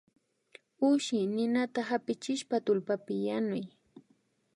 Ushi ninata hapichishpa tullpapi yanuy